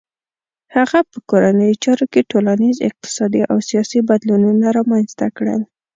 هغه په کورنیو چارو کې ټولنیز، اقتصادي او سیاسي بدلونونه رامنځته کړل.